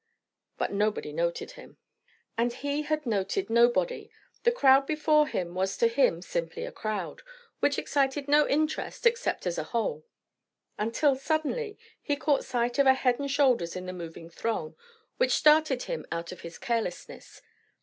But nobody noted him. And he had noted nobody; the crowd before him was to him simply a crowd, which excited no interest except as a whole. Until, suddenly, he caught sight of a head and shoulders in the moving throng, which started him out of his carelessness.